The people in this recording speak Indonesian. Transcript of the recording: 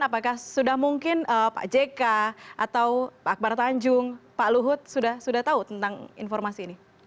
apakah sudah mungkin pak jk atau pak akbar tanjung pak luhut sudah tahu tentang informasi ini